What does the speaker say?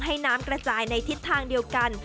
ให้น้ำกระจายในทิศทางเดียวกัน